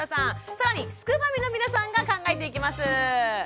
更にすくファミの皆さんが考えていきます。